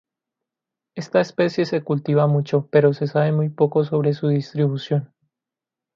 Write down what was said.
Esta especie se cultiva mucho, pero se sabe muy poco sobre su distribución.